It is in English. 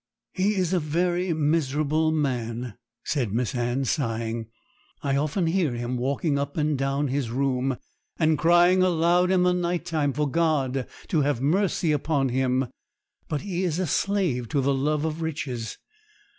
'He is a very miserable man,' said Miss Anne, sighing; 'I often hear him walking up and down his room, and crying aloud in the night time for God to have mercy upon him; but he is a slave to the love of riches.